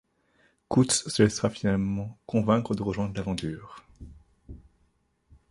Coutts se laissera finalement convaincre de rejoindre l'aventure.